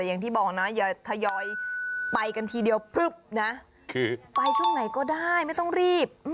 อย่างที่บอกนะอย่าทยอยไปกันทีเดียวพลึบนะคือไปช่วงไหนก็ได้ไม่ต้องรีบ